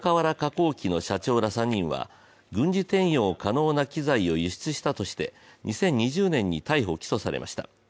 工機の社長ら３人は、軍事転用可能な機材を輸出したとして、２０２０年に逮捕・起訴されました。